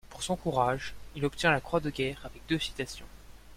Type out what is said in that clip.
Pour son courage, il obtient la croix de guerre avec deux citations.